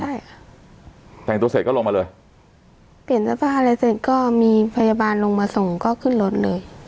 ใช่ค่ะแต่งตัวเสร็จก็ลงมาเลยเปลี่ยนเสื้อผ้าอะไรเสร็จก็มีพยาบาลลงมาส่งก็ขึ้นรถเลย